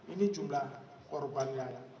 ini jumlah korban yang